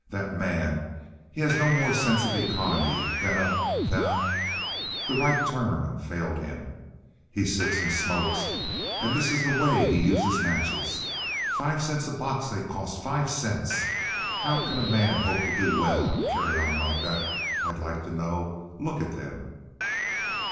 That man, he has no more sense of economy than a—than a—" the right term failed him. "He sits and smokes, and this is the way he uses matches. Five cents a box they cost—five cents. How can a man hope to do well and carry on like that, I like to know. Look at them."